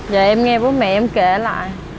dạ em nghe bố mẹ em kể lại